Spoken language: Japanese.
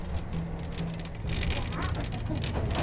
じゃあじゃコッシーこれね。